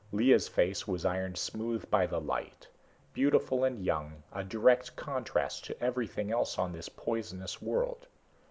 Lea's face was ironed smooth by the light, beautiful and young, a direct contrast to everything else on this poisonous world.